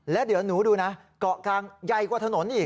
แล้วเดี๋ยวหนูดูนะเกาะกลางใหญ่กว่าถนนอีก